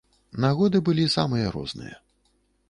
Нагоды былі самыя розныя.